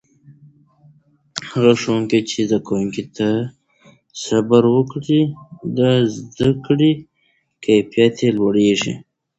هغه ښوونکي چې زده کوونکو ته صبر وکړي، د زده کړې کیفیت لوړوي.